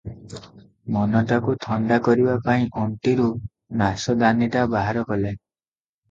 ମନଟାକୁ ଥଣ୍ଡା କରିବା ପାଇଁ ଅଣ୍ଟିରୁ ନାଶଦାନିଟା ବାହାର କଲେ ।